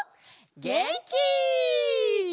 げんき！